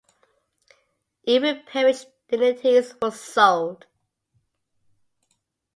Even peerage dignities were sold.